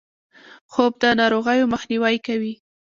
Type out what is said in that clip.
خوب د ناروغیو مخنیوی کوي